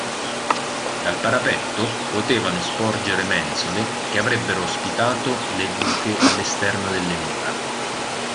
Dal parapetto potevano sporgere mensole che avrebbero ospitato le buche all'esterno delle mura.